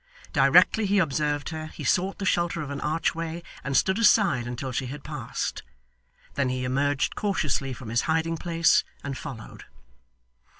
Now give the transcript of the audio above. Directly he observed her, he sought the shelter of an archway, and stood aside until she had passed. Then he emerged cautiously from his hiding place, and followed.